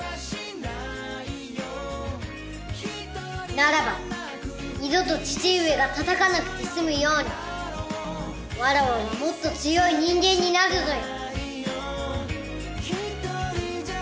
ならば二度と父上がたたかなくて済むようにわらわはもっと強い人間になるぞよ！